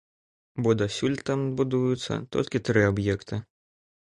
Бо дасюль там будуюцца толькі тры аб'екты.